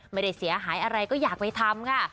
ไม่ได้เสียหายอะไรก็อยากไปทำค่ะ